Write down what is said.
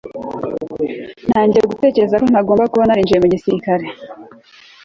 ntangiye gutekereza ko ntagomba kuba narinjiye mu gisirikare